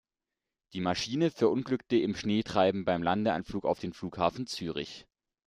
Die Maschine verunglückte im Schneetreiben beim Landeanflug auf den Flughafen Zürich.